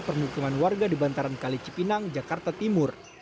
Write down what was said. permukiman warga di bantaran kali cipinang jakarta timur